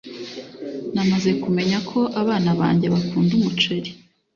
Namaze kumenya ko abana banjye bakunda umuceri